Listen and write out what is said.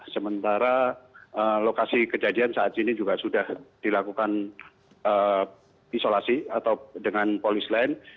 sementara lokasi kejadian saat ini juga sudah dilakukan isolasi atau dengan polis lain